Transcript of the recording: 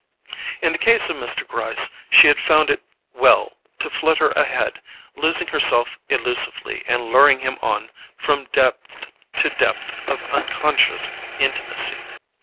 In the case of Mr. Gryce she had found it well to flutter ahead, losing herself elusively and luring him on from depth to depth of unconscious intimacy.